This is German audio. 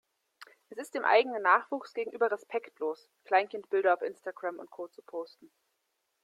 Es ist dem eigenen Nachwuchs gegenüber respektlos, Kleinkindbilder auf Instagram und Co. zu posten.